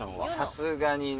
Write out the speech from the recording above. さすがにね。